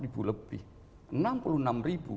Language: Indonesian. enam puluh enam itu adalah contohnya